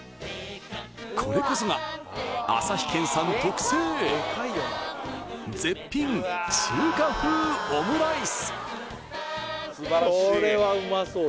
これこそがアサヒ軒さん特製絶品中華風オムライス！